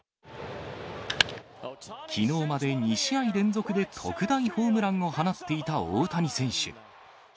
きのうまで２試合連続で特大ホームランを放っていた大谷選手。